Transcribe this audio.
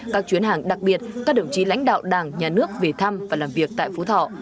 các chuyến hàng đặc biệt các đồng chí lãnh đạo đảng nhà nước về thăm và làm việc tại phú thọ